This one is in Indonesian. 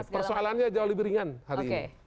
persoalannya jauh lebih ringan hari ini